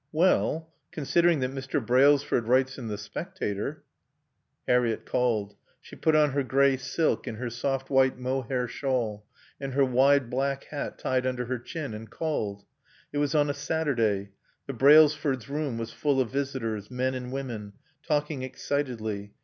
"Well, considering that Mr. Brailsford writes in The Spectator " Harriett called. She put on her gray silk and her soft white mohair shawl, and her wide black hat tied under her chin, and called. It was on a Saturday. The Brailsfords' room was full of visitors, men and women, talking excitedly.